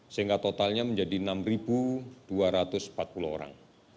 sehingga totalnya menjadi enam dua ratus empat puluh orang